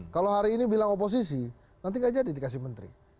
kalau hari ini bilang oposisi nanti gak jadi dikasih menteri